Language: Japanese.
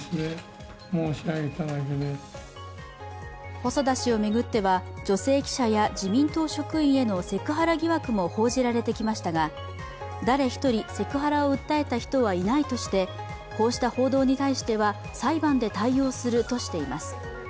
細田氏を巡っては女性記者や、自民党職員へのセクハラ疑惑も報じられてきましたが誰１人セクハラを訴えた人はいないとしてこうした報道に対しては裁判で対応するとしています。